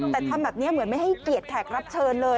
แต่ทำแบบนี้เหมือนไม่ให้เกียรติแขกรับเชิญเลย